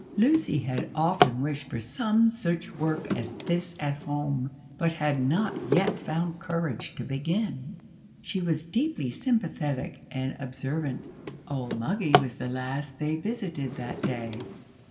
Lucy had often wished for some such work as this at home, but had not yet found courage to begin. She was deeply sympathetic and observant. Old Moggy was the last they visited that day.